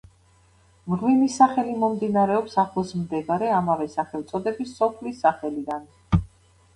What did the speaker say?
მღვიმის სახელი მომდინარეობს ახლოს მდებარე ამავე სახელწოდების სოფლის სახელიდან.